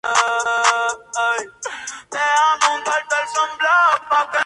Necesidades de riego: Moderadas necesidades de agua.